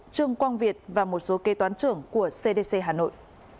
trường quang việt và một số kê toán trưởng của cdc hà nội